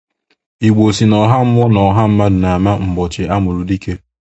Igbo sị na ọha mmụọ na ọha mmadụ na-ama ụbọchị a mụrụ dike